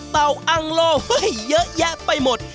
เต่าอังล่อเยอะแยะไปหมด